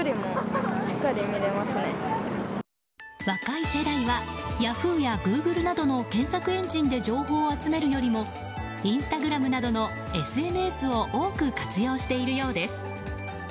若い世代はヤフーやグーグルなどの検索エンジンで情報を集めるよりもインスタグラムなどのＳＮＳを多く活用しているようです。